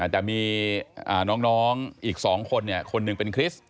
แต่มีน้องอีก๒คนคนหนึ่งเป็นคริสต์